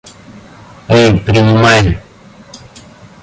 Эй, принимай!